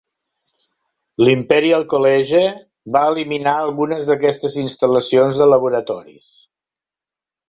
L'Imperial College va eliminar algunes d'aquestes instal·lacions de laboratoris.